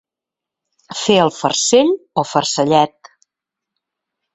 Fer el farcell o farcellet.